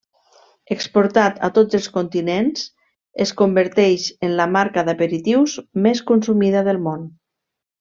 Exportat a tots els continents, es converteix en la marca d'aperitius més consumida del món.